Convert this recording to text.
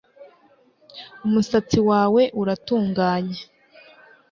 Umusatsi wawe uratunganye